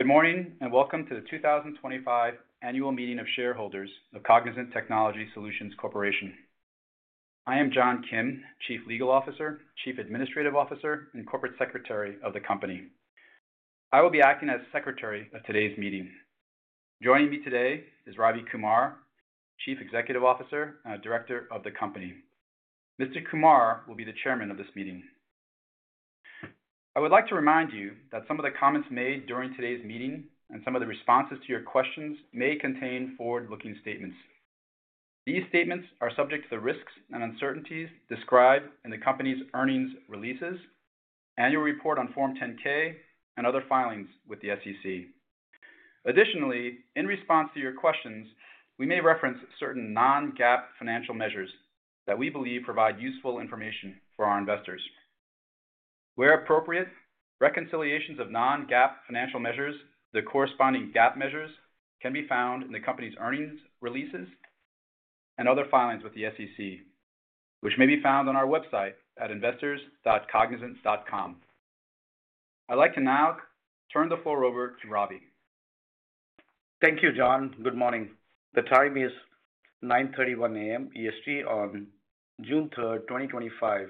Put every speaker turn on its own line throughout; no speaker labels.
Good morning and welcome to the 2025 Annual Meeting of Shareholders of Cognizant Technology Solutions Corporation. I am John Kim, Chief Legal Officer, Chief Administrative Officer, and Corporate Secretary of the company. I will be acting as Secretary of today's meeting. Joining me today is Ravi Kumar, Chief Executive Officer and Director of the company. Mr. Kumar will be the Chairman of this meeting. I would like to remind you that some of the comments made during today's meeting and some of the responses to your questions may contain forward-looking statements. These statements are subject to the risks and uncertainties described in the company's earnings releases, annual report on Form 10-K, and other filings with the SEC. Additionally, in response to your questions, we may reference certain non-GAAP financial measures that we believe provide useful information for our investors. Where appropriate, reconciliations of non-GAAP financial measures to corresponding GAAP measures can be found in the company's earnings releases and other filings with the SEC, which may be found on our website at investors.cognizant.com. I'd like to now turn the floor over to Ravi.
Thank you, John. Good morning. The time is 9:31 A.M. EST on June 3rd, 2025,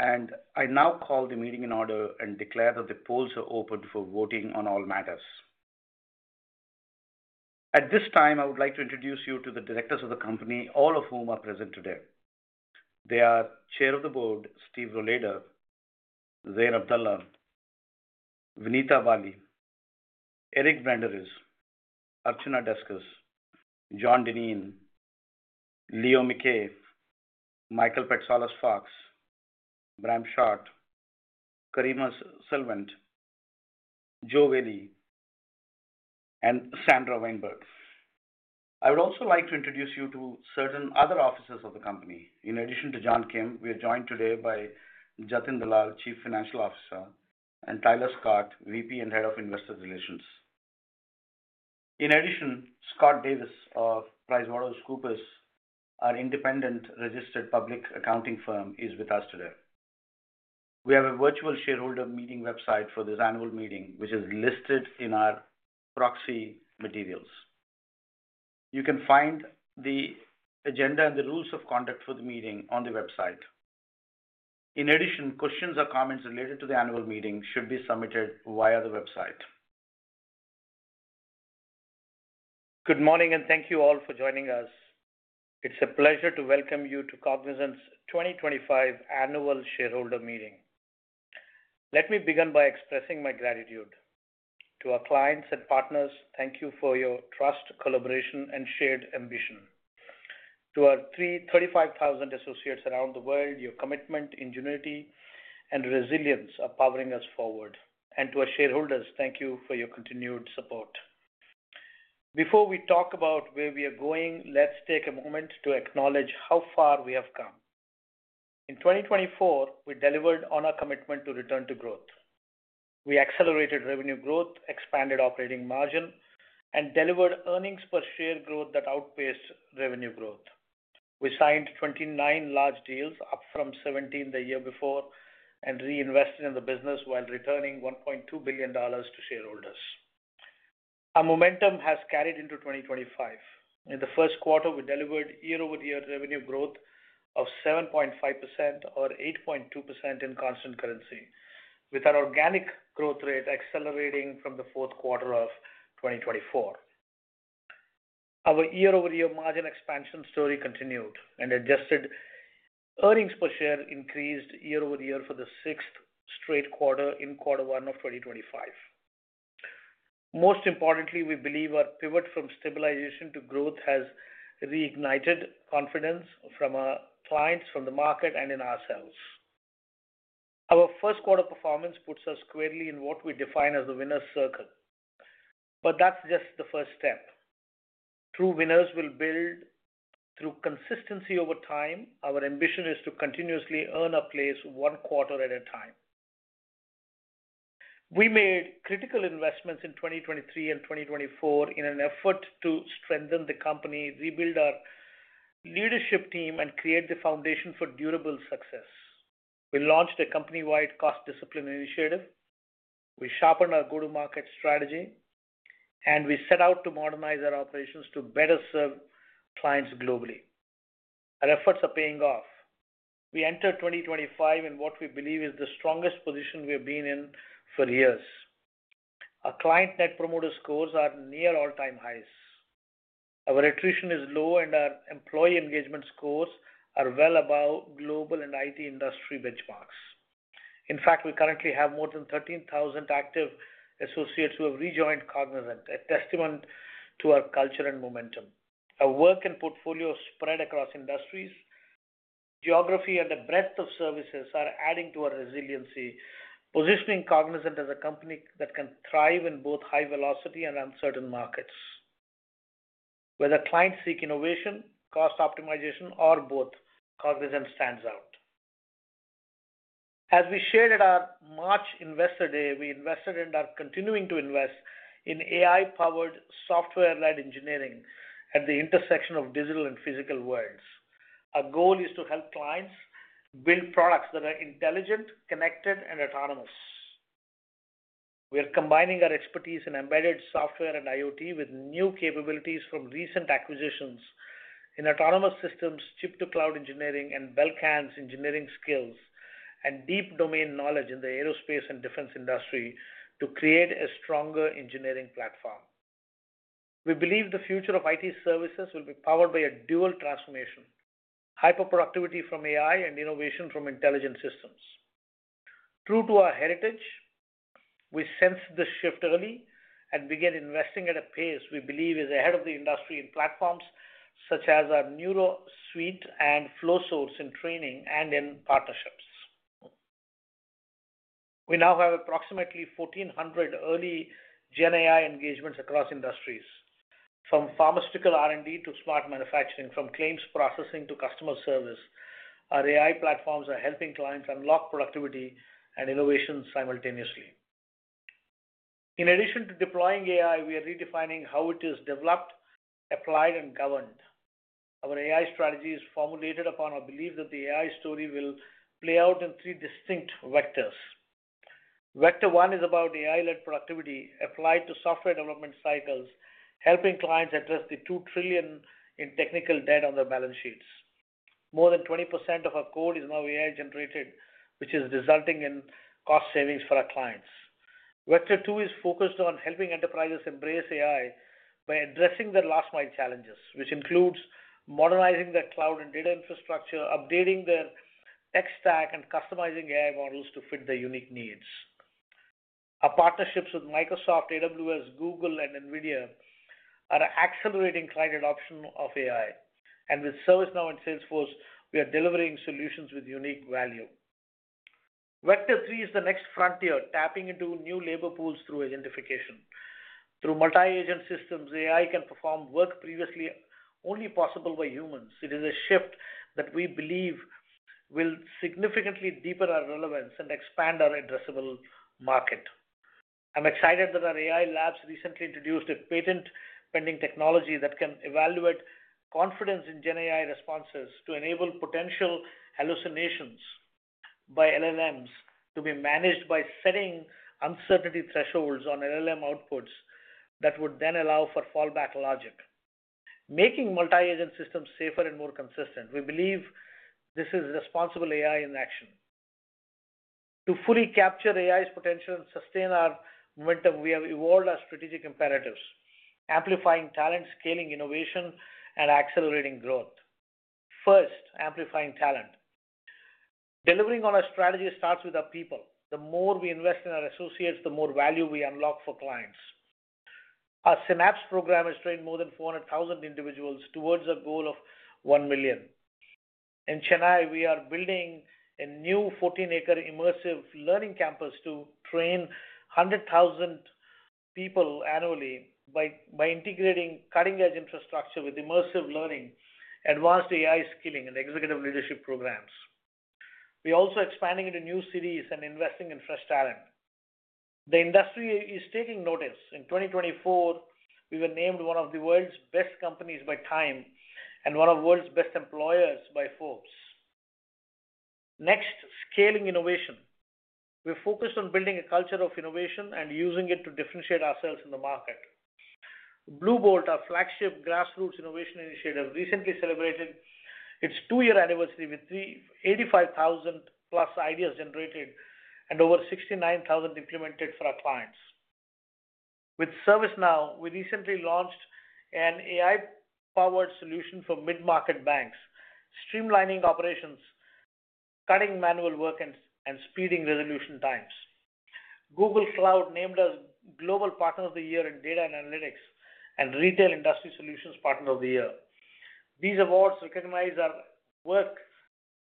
and I now call the meeting in order and declare that the polls are open for voting on all matters. At this time, I would like to introduce you to the directors of the company, all of whom are present today. They are Chair of the Board, Steve Rohleder, Zayed Abdallah, Vinita Bali, Eric Benevides, Archana Deskus, John Denyeau, Leo Mackay, Michael Patsalos-Fox, Brian Shott, Karima Sylvent, Joe Velley, and Sandra Weinberg. I would also like to introduce you to certain other officers of the company. In addition to John Kim, we are joined today by Jatin Dalal, Chief Financial Officer, and Tyler Scott, VP and Head of Investor Relations. In addition, Scott Davis of PricewaterhouseCoopers, our independent registered public accounting firm, is with us today. We have a virtual shareholder meeting website for this annual meeting, which is listed in our proxy materials. You can find the agenda and the rules of conduct for the meeting on the website. In addition, questions or comments related to the annual meeting should be submitted via the website. Good morning and thank you all for joining us. It's a pleasure to welcome you to Cognizant's 2025 Annual Shareholder Meeting. Let me begin by expressing my gratitude to our clients and partners. Thank you for your trust, collaboration, and shared ambition. To our 35,000 associates around the world, your commitment, ingenuity, and resilience are powering us forward. To our shareholders, thank you for your continued support. Before we talk about where we are going, let's take a moment to acknowledge how far we have come. In 2024, we delivered on our commitment to return to growth. We accelerated revenue growth, expanded operating margin, and delivered earnings per share growth that outpaced revenue growth. We signed 29 large deals, up from 17 the year before, and reinvested in the business while returning $1.2 billion to shareholders. Our momentum has carried into 2025. In the first quarter, we delivered YoY revenue growth of 7.5% or 8.2% in constant currency, with our organic growth rate accelerating from the fourth quarter of 2024. Our YoY margin expansion story continued, and adjusted earnings per share increased YoY for the sixth straight quarter in quarter one of 2025. Most importantly, we believe our pivot from stabilization to growth has reignited confidence from our clients, from the market, and in ourselves. Our first quarter performance puts us squarely in what we define as the winner's circle. That is just the first step. True winners will build through consistency over time. Our ambition is to continuously earn a place one quarter at a time. We made critical investments in 2023 and 2024 in an effort to strengthen the company, rebuild our leadership team, and create the foundation for durable success. We launched a company-wide cost discipline initiative. We sharpened our go-to-market strategy, and we set out to modernize our operations to better serve clients globally. Our efforts are paying off. We enter 2025 in what we believe is the strongest position we have been in for years. Our client net promoter scores are near all-time highs. Our attrition is low, and our employee engagement scores are well above global and IT industry benchmarks. In fact, we currently have more than 13,000 active associates who have rejoined Cognizant, a testament to our culture and momentum. Our work and portfolio spread across industries, geography, and the breadth of services are adding to our resiliency, positioning Cognizant as a company that can thrive in both high velocity and uncertain markets. Whether clients seek innovation, cost optimization, or both, Cognizant stands out. As we shared at our March Investor Day, we invested and are continuing to invest in AI-powered software-led engineering at the intersection of digital and physical worlds. Our goal is to help clients build products that are intelligent, connected, and autonomous. We are combining our expertise in embedded software and IoT with new capabilities from recent acquisitions in autonomous systems, chip-to-cloud engineering, and Belcan's engineering skills and deep domain knowledge in the aerospace and defense industry to create a stronger engineering platform. We believe the future of IT services will be powered by a dual transformation: hyperproductivity from AI and innovation from intelligent systems. True to our heritage, we sensed this shift early and began investing at a pace we believe is ahead of the industry in platforms such as our NeuroSuite and FlowSource in training and in partnerships. We now have approximately 1,400 early GenAI engagements across industries, from pharmaceutical R&D to smart manufacturing, from claims processing to customer service. Our AI platforms are helping clients unlock productivity and innovation simultaneously. In addition to deploying AI, we are redefining how it is developed, applied, and governed. Our AI strategy is formulated upon our belief that the AI story will play out in three distinct vectors. Vector one is about AI-led productivity applied to software development cycles, helping clients address the $2 trillion in technical debt on their balance sheets. More than 20% of our code is now AI-generated, which is resulting in cost savings for our clients. Vector two is focused on helping enterprises embrace AI by addressing their last-mile challenges, which includes modernizing their cloud and data infrastructure, updating their tech stack, and customizing AI models to fit their unique needs. Our partnerships with Microsoft, AWS, Google, and NVIDIA are accelerating client adoption of AI. With ServiceNow and Salesforce, we are delivering solutions with unique value. Vector three is the next frontier, tapping into new labor pools through identification. Through multi-agent systems, AI can perform work previously only possible by humans. It is a shift that we believe will significantly deepen our relevance and expand our addressable market. I'm excited that our AI labs recently introduced a patent-pending technology that can evaluate confidence in GenAI responses to enable potential hallucinations by LLMs to be managed by setting uncertainty thresholds on LLM outputs that would then allow for fallback logic, making multi-agent systems safer and more consistent. We believe this is responsible AI in action. To fully capture AI's potential and sustain our momentum, we have evolved our strategic imperatives, amplifying talent, scaling innovation, and accelerating growth. First, amplifying talent. Delivering on our strategy starts with our people. The more we invest in our associates, the more value we unlock for clients. Our Synapse program has trained more than 400,000 individuals towards a goal of 1 million. In Chennai, we are building a new 14-acre immersive learning campus to train 100,000 people annually by integrating cutting-edge infrastructure with immersive learning, advanced AI skilling, and executive leadership programs. We are also expanding into new cities and investing in fresh talent. The industry is taking notice. In 2024, we were named one of the world's best companies by Time and one of the world's best employers by Forbes. Next, scaling innovation. We're focused on building a culture of innovation and using it to differentiate ourselves in the market. Blue Bolt, our flagship grassroots innovation initiative, recently celebrated its two-year anniversary with 85,000-plus ideas generated and over 69,000 implemented for our clients. With ServiceNow, we recently launched an AI-powered solution for mid-market banks, streamlining operations, cutting manual work, and speeding resolution times. Google Cloud named us Global Partner of the Year in Data and Analytics and Retail Industry Solutions Partner of the Year. These awards recognize our work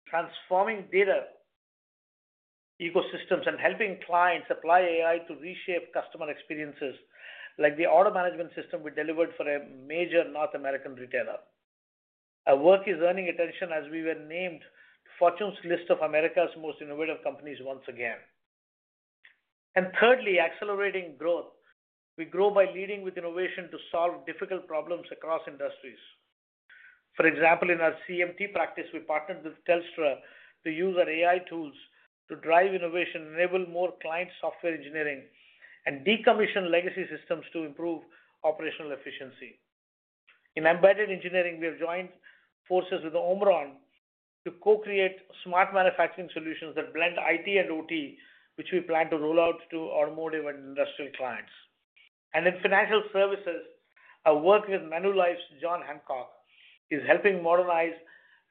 transforming data ecosystems and helping clients apply AI to reshape customer experiences, like the auto management system we delivered for a major North American retailer. Our work is earning attention as we were named to Fortune's list of America's most innovative companies once again. Thirdly, accelerating growth. We grow by leading with innovation to solve difficult problems across industries. For example, in our CMT practice, we partnered with Telstra to use our AI tools to drive innovation, enable more client software engineering, and decommission legacy systems to improve operational efficiency. In embedded engineering, we have joined forces with Omron to co-create smart manufacturing solutions that blend IT and OT, which we plan to roll out to automotive and industrial clients. In financial services, our work with Manulife's John Hancock is helping modernize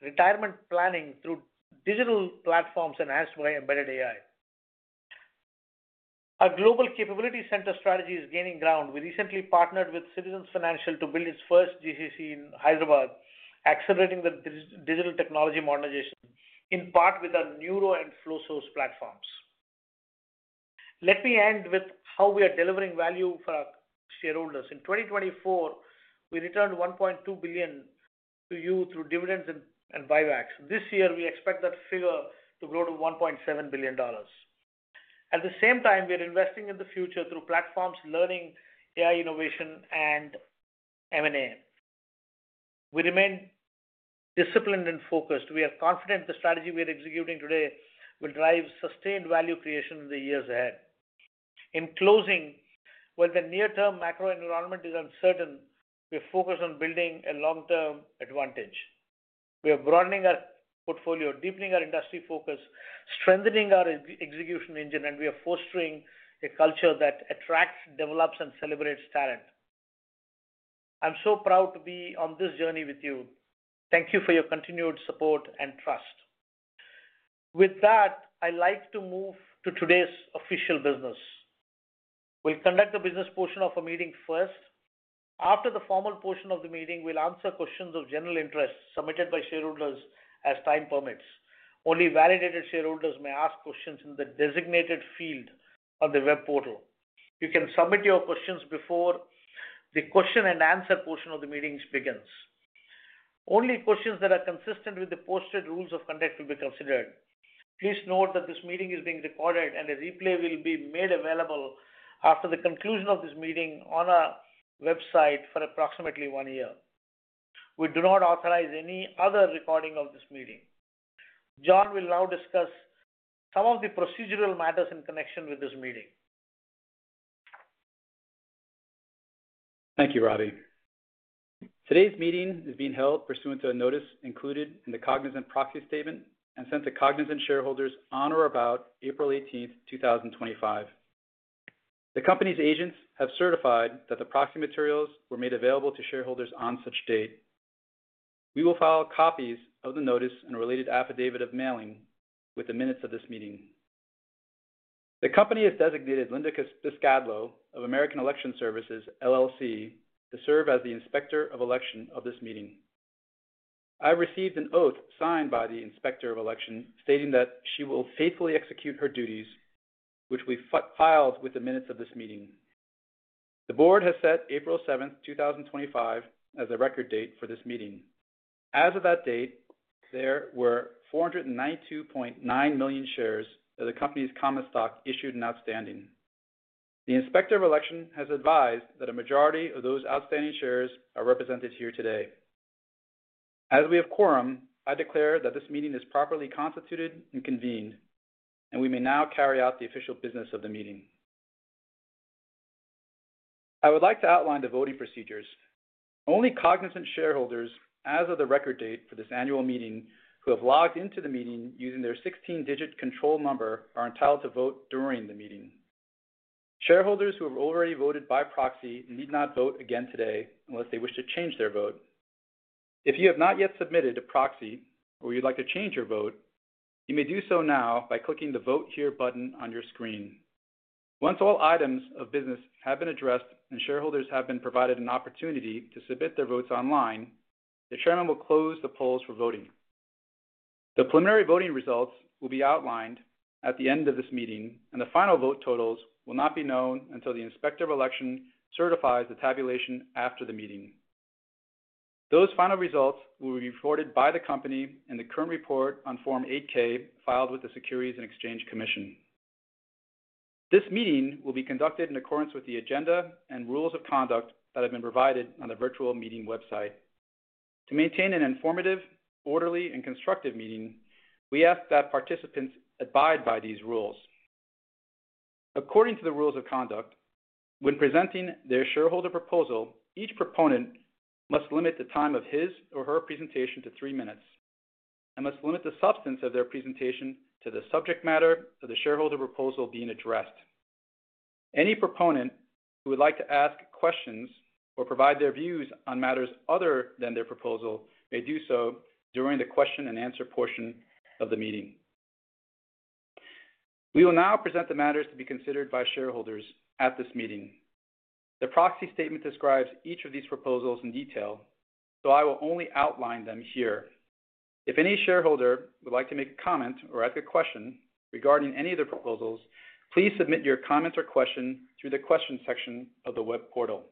retirement planning through digital platforms enhanced by embedded AI. Our global capability center strategy is gaining ground. We recently partnered with Citizens Financial Group to build its first GCC in Hyderabad, accelerating the digital technology modernization in part with our NeuroSuite and FlowSource platforms. Let me end with how we are delivering value for our shareholders. In 2024, we returned $1.2 billion to you through dividends and buybacks. This year, we expect that figure to grow to $1.7 billion. At the same time, we are investing in the future through platforms, learning, AI innovation, and M&A. We remain disciplined and focused. We are confident the strategy we are executing today will drive sustained value creation in the years ahead. In closing, while the near-term macro environment is uncertain, we are focused on building a long-term advantage. We are broadening our portfolio, deepening our industry focus, strengthening our execution engine, and we are fostering a culture that attracts, develops, and celebrates talent. I'm so proud to be on this journey with you. Thank you for your continued support and trust. With that, I'd like to move to today's official business. We'll conduct the business portion of our meeting first. After the formal portion of the meeting, we'll answer questions of general interest submitted by shareholders as time permits. Only validated shareholders may ask questions in the designated field on the web portal. You can submit your questions before the question-and-answer portion of the meeting begins. Only questions that are consistent with the posted rules of conduct will be considered. Please note that this meeting is being recorded, and a replay will be made available after the conclusion of this meeting on our website for approximately one year. We do not authorize any other recording of this meeting. John will now discuss some of the procedural matters in connection with this meeting.
Thank you, Ravi. Today's meeting is being held pursuant to a notice included in the Cognizant Proxy Statement and sent to Cognizant shareholders on or about April 18, 2025. The company's agents have certified that the proxy materials were made available to shareholders on such date. We will file copies of the notice and related affidavit of mailing with the minutes of this meeting. The company has designated Linda Cascadlo of American Election Services to serve as the inspector of election of this meeting. I received an oath signed by the inspector of election stating that she will faithfully execute her duties, which we filed with the minutes of this meeting. The board has set April 7, 2025, as the record date for this meeting. As of that date, there were 492.9 million shares of the company's common stock issued and outstanding. The inspector of election has advised that a majority of those outstanding shares are represented here today. As we have quorum, I declare that this meeting is properly constituted and convened, and we may now carry out the official business of the meeting. I would like to outline the voting procedures. Only Cognizant shareholders, as of the record date for this annual meeting, who have logged into the meeting using their 16-digit control number are entitled to vote during the meeting. Shareholders who have already voted by proxy need not vote again today unless they wish to change their vote. If you have not yet submitted a proxy or you'd like to change your vote, you may do so now by clicking the Vote Here button on your screen. Once all items of business have been addressed and shareholders have been provided an opportunity to submit their votes online, the chairman will close the polls for voting. The preliminary voting results will be outlined at the end of this meeting, and the final vote totals will not be known until the inspector of election certifies the tabulation after the meeting. Those final results will be reported by the company in the current report on Form 8K filed with the Securities and Exchange Commission. This meeting will be conducted in accordance with the agenda and rules of conduct that have been provided on the virtual meeting website. To maintain an informative, orderly, and constructive meeting, we ask that participants abide by these rules. According to the rules of conduct, when presenting their shareholder proposal, each proponent must limit the time of his or her presentation to three minutes and must limit the substance of their presentation to the subject matter of the shareholder proposal being addressed. Any proponent who would like to ask questions or provide their views on matters other than their proposal may do so during the question-and-answer portion of the meeting. We will now present the matters to be considered by shareholders at this meeting. The proxy statement describes each of these proposals in detail, so I will only outline them here. If any shareholder would like to make a comment or ask a question regarding any of the proposals, please submit your comment or question through the question section of the web portal.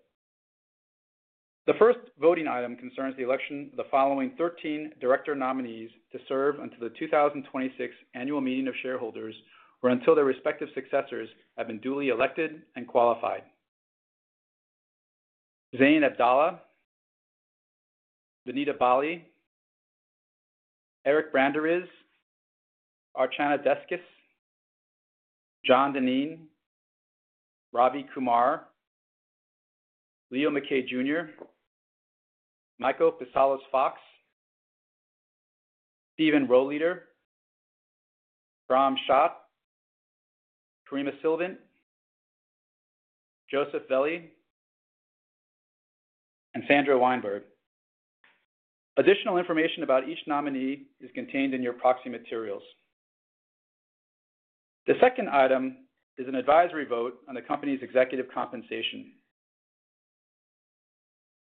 The first voting item concerns the election of the following 13 director nominees to serve until the 2026 annual meeting of shareholders or until their respective successors have been duly elected and qualified: Zayed Abdallah, Vinita Bali, Eric Benevides, Archana Deskus, John Denyeau, Ravi Kumar, Leo Mackay Jr., Michael Patsalos-Fox, Steve Rohleder, Brian Shott, Karima Sylvent, Joe Velley, and Sandra Weinberg. Additional information about each nominee is contained in your proxy materials. The second item is an advisory vote on the company's executive compensation.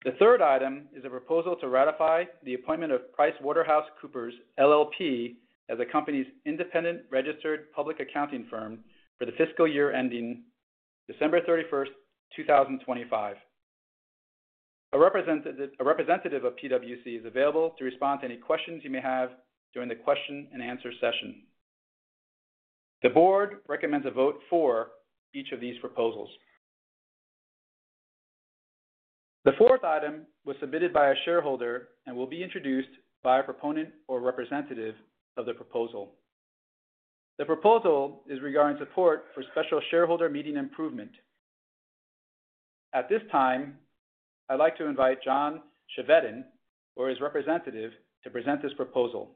The third item is a proposal to ratify the appointment of PricewaterhouseCoopers LLP as the company's independent registered public accounting firm for the fiscal year ending December 31, 2025. A representative of PwC is available to respond to any questions you may have during the question-and-answer session. The board recommends a vote for each of these proposals. The fourth item was submitted by a shareholder and will be introduced by a proponent or representative of the proposal. The proposal is regarding support for special shareholder meeting improvement. At this time, I'd like to invite John Chevedden, who is representative, to present this proposal.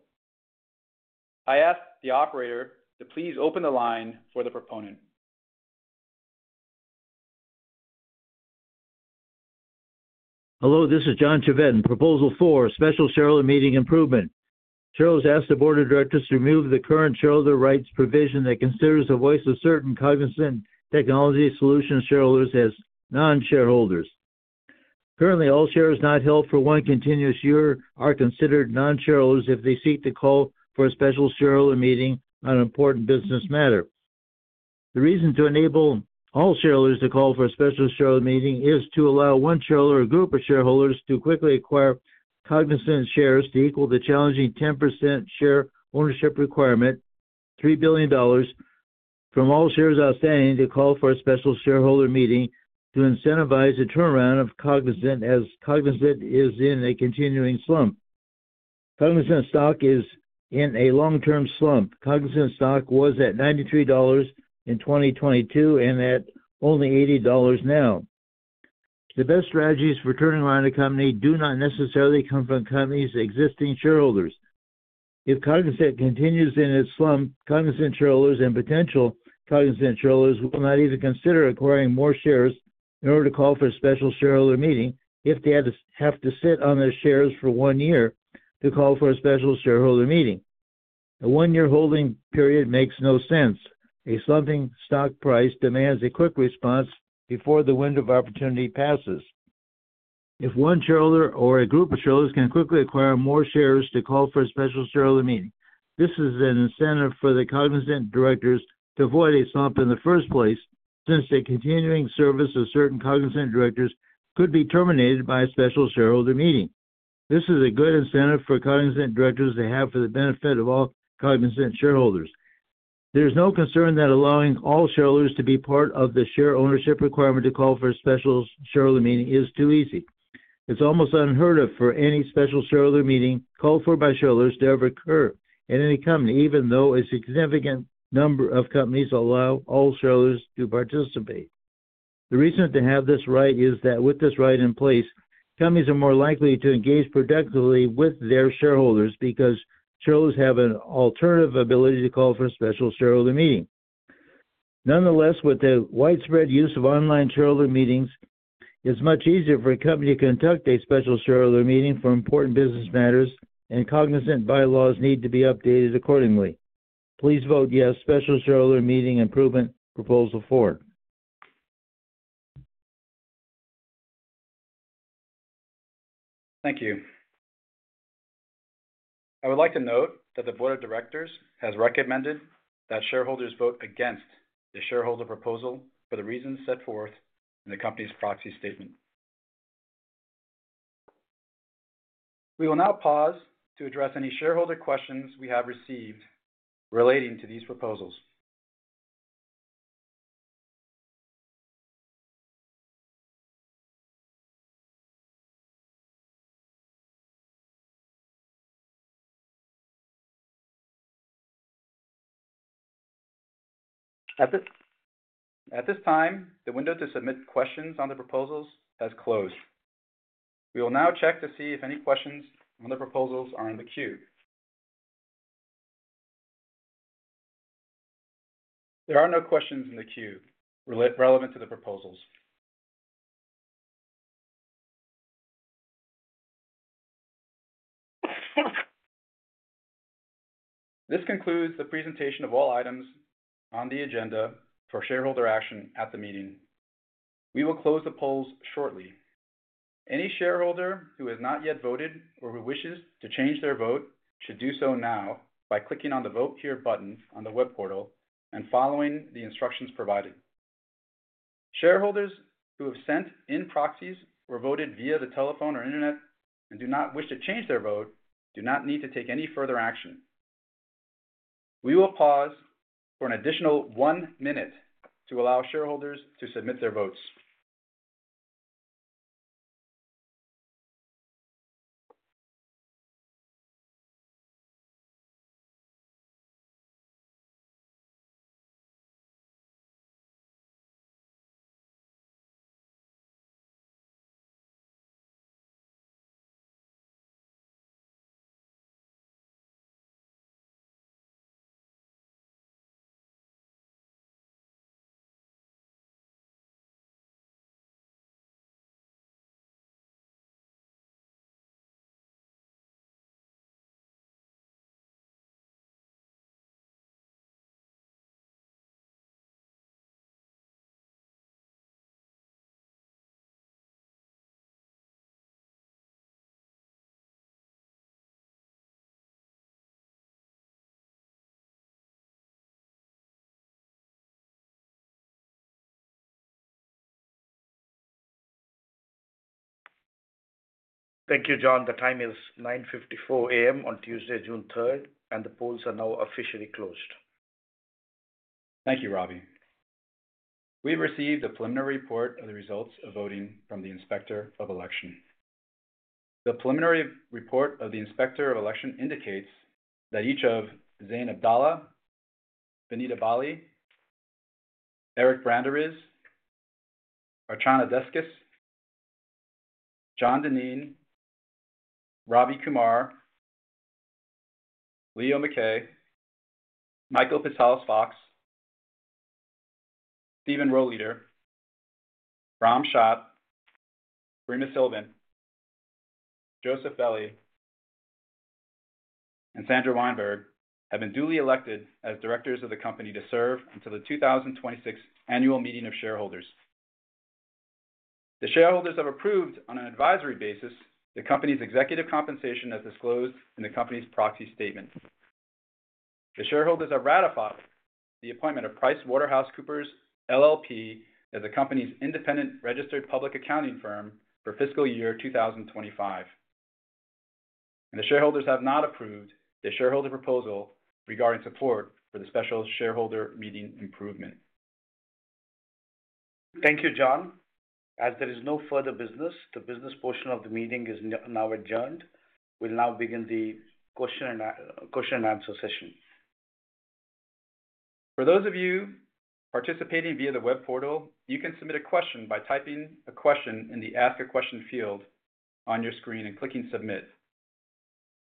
I ask the operator to please open the line for the proponent.
Hello, this is John Chevedden. Proposal 4, special shareholder meeting improvement. Shareholders ask the board of directors to remove the current shareholder rights provision that considers the voice of certain Cognizant Technology Solutions shareholders as non-shareholders. Currently, all shares not held for one continuous year are considered non-shareholders if they seek to call for a special shareholder meeting on an important business matter. The reason to enable all shareholders to call for a special shareholder meeting is to allow one shareholder or a group of shareholders to quickly acquire Cognizant shares to equal the challenging 10% share ownership requirement, $3 billion, from all shares outstanding to call for a special shareholder meeting to incentivize a turnaround of Cognizant as Cognizant is in a continuing slump. Cognizant stock is in a long-term slump. Cognizant stock was at $93 in 2022 and at only $80 now. The best strategies for turning around a company do not necessarily come from a company's existing shareholders. If Cognizant continues in its slump, Cognizant shareholders and potential Cognizant shareholders will not even consider acquiring more shares in order to call for a special shareholder meeting if they have to sit on their shares for one year to call for a special shareholder meeting. A one-year holding period makes no sense. A slumping stock price demands a quick response before the window of opportunity passes. If one shareholder or a group of shareholders can quickly acquire more shares to call for a special shareholder meeting, this is an incentive for the Cognizant directors to avoid a slump in the first place since the continuing service of certain Cognizant directors could be terminated by a special shareholder meeting. This is a good incentive for Cognizant directors to have for the benefit of all Cognizant shareholders. There is no concern that allowing all shareholders to be part of the share ownership requirement to call for a special shareholder meeting is too easy. It's almost unheard of for any special shareholder meeting called for by shareholders to ever occur in any company, even though a significant number of companies allow all shareholders to participate. The reason to have this right is that with this right in place, companies are more likely to engage productively with their shareholders because shareholders have an alternative ability to call for a special shareholder meeting. Nonetheless, with the widespread use of online shareholder meetings, it's much easier for a company to conduct a special shareholder meeting for important business matters, and Cognizant bylaws need to be updated accordingly. Please vote yes, special shareholder meeting improvement proposal 4.
Thank you. I would like to note that the board of directors has recommended that shareholders vote against the shareholder proposal for the reasons set forth in the company's proxy statement. We will now pause to address any shareholder questions we have received relating to these proposals. At this time, the window to submit questions on the proposals has closed. We will now check to see if any questions on the proposals are in the queue. There are no questions in the queue relevant to the proposals. This concludes the presentation of all items on the agenda for shareholder action at the meeting. We will close the polls shortly. Any shareholder who has not yet voted or who wishes to change their vote should do so now by clicking on the Vote Here button on the web portal and following the instructions provided. Shareholders who have sent in proxies or voted via the telephone or internet and do not wish to change their vote do not need to take any further action. We will pause for an additional one minute to allow shareholders to submit their votes.
Thank you, John. The time is 9:54 A.M. on Tuesday, June 3, and the polls are now officially closed.
Thank you, Ravi. We've received the preliminary report of the results of voting from the inspector of election. The preliminary report of the inspector of election indicates that each of Zayed Abdallah, Vinita Bali, Eric Benevides, Archana Deskus, John Denyeau, Ravi Kumar, Leo Mackay, Michael Patsalos-Fox, Steve Rohleder, Brian Shott, Karima Sylvent, Joe Velley, and Sandra Weinberg have been duly elected as directors of the company to serve until the 2026 annual meeting of shareholders. The shareholders have approved on an advisory basis the company's executive compensation as disclosed in the company's proxy statement. The shareholders have ratified the appointment of PricewaterhouseCoopers LLP as the company's independent registered public accounting firm for fiscal year 2025. The shareholders have not approved the shareholder proposal regarding support for the special shareholder meeting improvement.
Thank you, John. As there is no further business, the business portion of the meeting is now adjourned. We'll now begin the question and answer session.
For those of you participating via the web portal, you can submit a question by typing a question in the Ask a Question field on your screen and clicking Submit.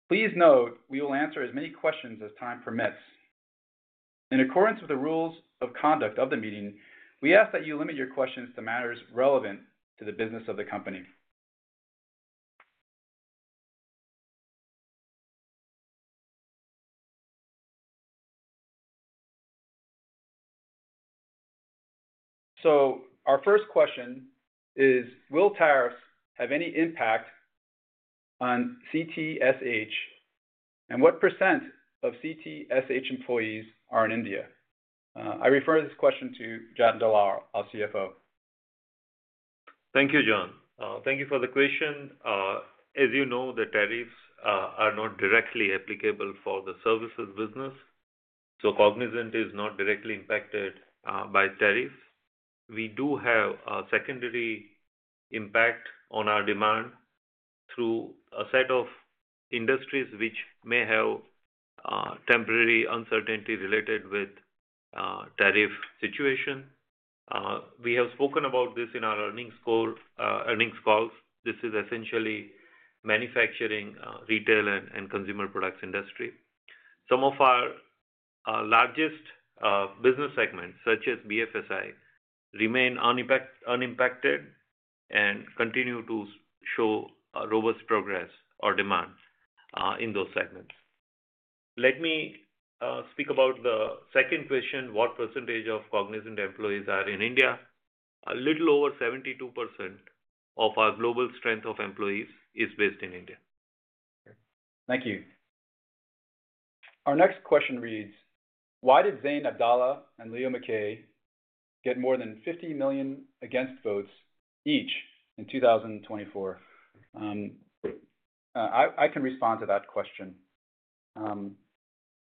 Please note we will answer as many questions as time permits. In accordance with the rules of conduct of the meeting, we ask that you limit your questions to matters relevant to the business of the company. Our first question is, will tariffs have any impact on CTSH, and what % of CTSH employees are in India? I refer this question to Jatin Dalal, our CFO.
Thank you, John. Thank you for the question. As you know, the tariffs are not directly applicable for the services business, so Cognizant is not directly impacted by tariffs. We do have a secondary impact on our demand through a set of industries which may have temporary uncertainty related with the tariff situation. We have spoken about this in our earnings calls. This is essentially manufacturing, retail, and consumer products industry. Some of our largest business segments, such as BFSI, remain unimpacted and continue to show robust progress or demand in those segments.
Let me speak about the second question: what percentage of Cognizant employees are in India? A little over 72% of our global strength of employees is based in India.
Thank you. Our next question reads, why did Zayed Abdallah and Leo Mackay get more than 50 million against votes each in 2024? I can respond to that question.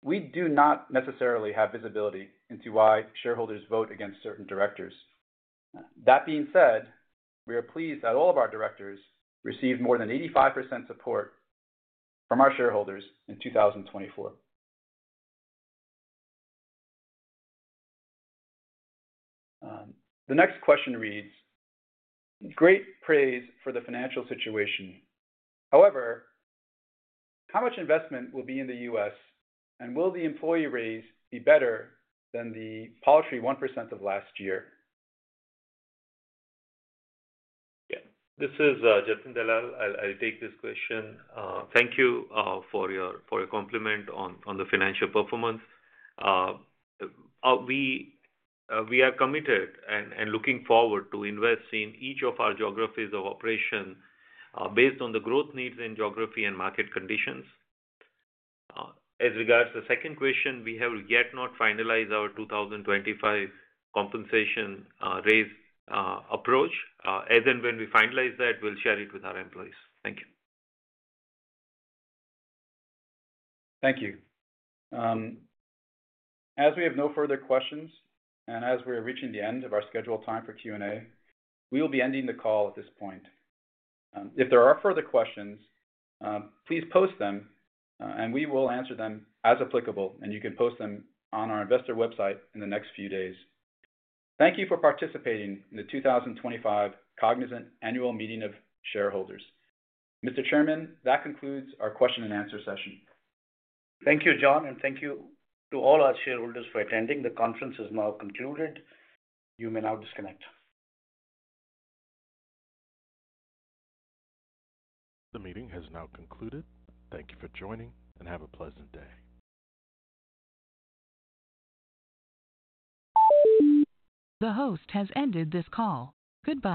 We do not necessarily have visibility into why shareholders vote against certain directors. That being said, we are pleased that all of our directors received more than 85% support from our shareholders in 2024. The next question reads, great praise for the financial situation. However, how much investment will be in the US, and will the employee raise be better than the paltry 1% of last year?
Yeah, this is Jatin Dalal. I'll take this question. Thank you for your compliment on the financial performance. We are committed and looking forward to investing in each of our geographies of operation based on the growth needs in geography and market conditions. As regards to the second question, we have yet not finalized our 2025 compensation raise approach. As and when we finalize that, we'll share it with our employees. Thank you.
Thank you. As we have no further questions and as we're reaching the end of our scheduled time for Q&A, we will be ending the call at this point. If there are further questions, please post them, and we will answer them as applicable, and you can post them on our investor website in the next few days. Thank you for participating in the 2025 Cognizant Annual Meeting of Shareholders. Mr. Chairman, that concludes our question and answer session. Thank you, John, and thank you to all our shareholders for attending. The conference is now concluded. You may now disconnect. The meeting has now concluded. Thank you for joining, and have a pleasant day. The host has ended this call. Good.